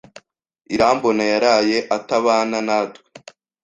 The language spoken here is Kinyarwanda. Irambona yaraye atabana natwe.